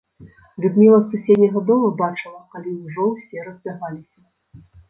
Людміла з суседняга дома бачыла, калі ўжо ўсе разбягаліся.